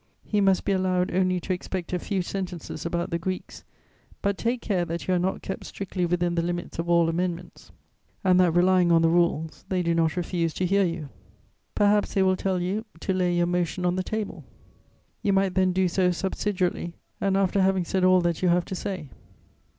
He must be allowed only to expect a few sentences about the Greeks; but take care that you are not kept strictly within the limits of all amendments, and that, relying on the rules, they do not refuse to hear you. Perhaps they will tell you to lay your motion on the table: you might then do so subsidiarily and after having said all that you have to say.